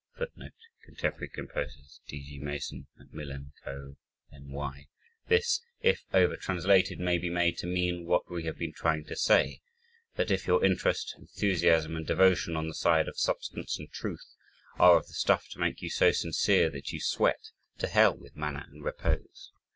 [footnote: Contemporary Composers, D. G. Mason, Macmillan Co., N. Y.] This, if over translated, may be made to mean, what we have been trying to say that if your interest, enthusiasm, and devotion on the side of substance and truth, are of the stuff to make you so sincere that you sweat to hell with manner and repose!